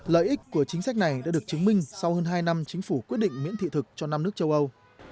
lợi ích của chính sách này đã được chứng minh sau hơn hai năm chính phủ quyết định miễn thị thực cho năm nước châu âu